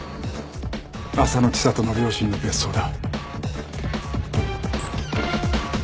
浅野知里の両親の別荘だ。